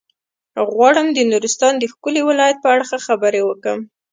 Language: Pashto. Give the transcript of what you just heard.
غواړم د نورستان د ښکلي ولايت په اړه خبرې وکړم.